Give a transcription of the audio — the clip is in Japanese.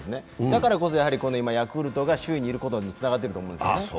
だからこそヤクルトが首位にいることにつながってると思うんです。